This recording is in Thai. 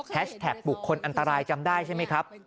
แท็กบุคคลอันตรายจำได้ใช่ไหมครับ